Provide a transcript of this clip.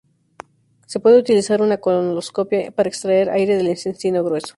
Se puede utilizar una colonoscopia para extraer aire del intestino grueso.